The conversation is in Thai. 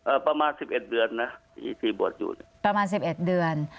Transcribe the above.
ประมาณสิบเอ็ดเดือนนะที่ที่บวชอยู่ประมาณสิบเอ็ดเดือน